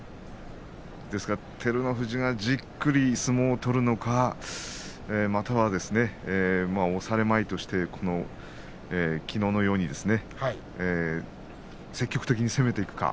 ですから照ノ富士がじっくり相撲を取るのかまたは押されまいとしてきのうのように積極的に攻めていくか